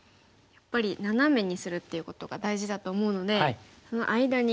やっぱりナナメにするっていうことが大事だと思うのでその間に。